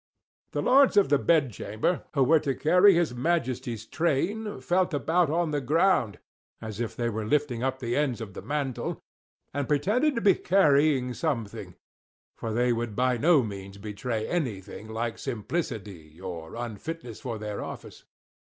The lords of the bedchamber, who were to carry his Majesty's train felt about on the ground, as if they were lifting up the ends of the mantle; and pretended to be carrying something; for they would by no means betray anything like simplicity, or unfitness for their office.